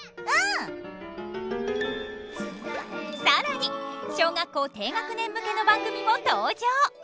更に小学校低学年向けの番組も登場！